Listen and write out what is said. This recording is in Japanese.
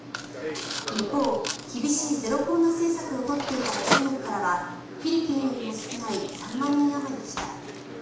一方、厳しいゼロコロナ政策を取っていた中国からはフィリピンよりも少ない３万人あまりでした。